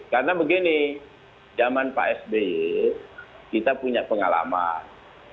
karena begini zaman pak sbe kita punya pengalaman